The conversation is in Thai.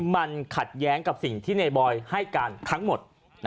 มันขัดแย้งกับสิ่งที่ในบอยให้การทั้งหมด